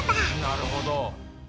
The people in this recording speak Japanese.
なるほど。